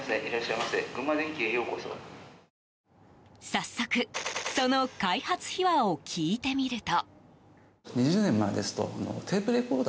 早速、その開発秘話を聞いてみると。